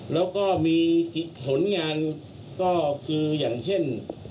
แล้วก็มีผลงานก็คืออย่างเช่น